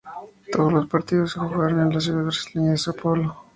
Todos los partidos se jugaron en la ciudad brasileña de São Paulo.